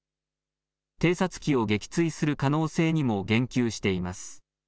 偵察機を撃墜する可能性にも言及しています。